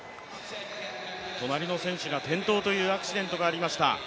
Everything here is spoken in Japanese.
隣の選手が転倒というアクシデントがありました。